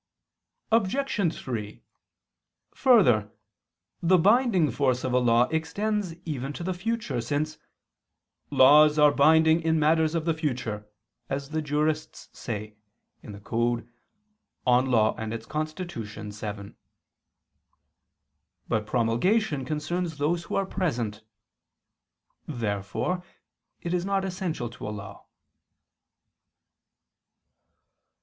Obj. 3: Further, the binding force of a law extends even to the future, since "laws are binding in matters of the future," as the jurists say (Cod. 1, tit. De lege et constit. leg. vii). But promulgation concerns those who are present. Therefore it is not essential to a law.